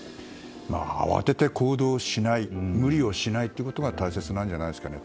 慌てて行動しない無理をしないということが大切なんじゃないんですかね。